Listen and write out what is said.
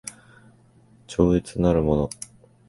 いつも超越的なるものが内在的であるのである。